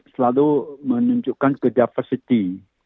selalu menunjukkan ke diversity